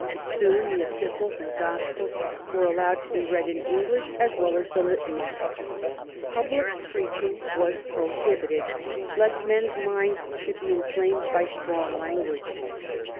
Soon the Epistles and Gospels were allowed to be read in English as well as the Litany. Public preaching was prohibited lest men's minds should be inflamed by strong language.